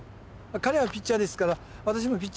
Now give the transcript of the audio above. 彼はピッチャーですから私もピッチャーですから。